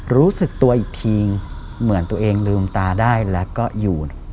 รู้สึกตัวอีกทีเหมือนตัวเองลืมตาได้แล้วก็หยุด